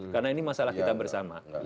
karena ini masalah kita bersama